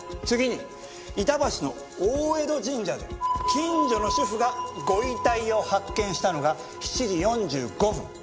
次に板橋の大江戸神社で近所の主婦がご遺体を発見したのが７時４５分。